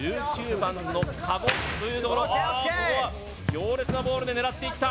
強烈なボールで狙っていった